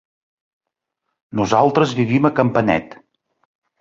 Nosaltres vivim a Campanet.